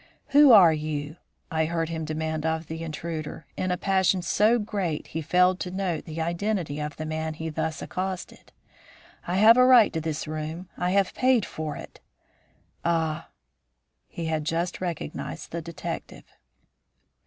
"Who are you?" I heard him demand of the intruder, in a passion so great he failed to note the identity of the man he thus accosted. "I have a right to this room. I have paid for it Ah!" He had just recognised the detective.